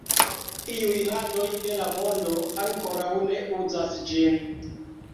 Iuj landoj de la mondo ankoraŭ ne uzas ĝin.